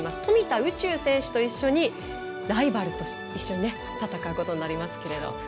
宇宙選手と一緒にライバルと一緒に戦うことになりますが。